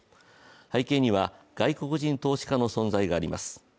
背景には外国人投資家の存在があります。